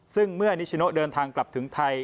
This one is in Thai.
ซึ่งเมื่อนิชโนเดินทางกลับถึงไทย